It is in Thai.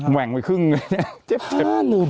แหว่งไปครึ่งเลยนะ